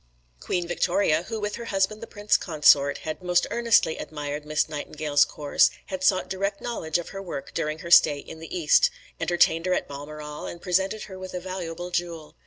Queen Victoria, who with her husband the Prince Consort, had most earnestly admired Miss Nightingale's course, and had sought direct knowledge of her work during her stay in the East, entertained her at Balmoral and presented her with a valuable jewel.